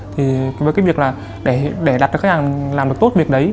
thì với cái việc là để đặt được khách hàng làm được tốt việc đấy